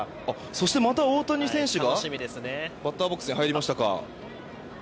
そして、また大谷選手がバッターボックスに入りました。